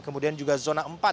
kemudian juga zona empat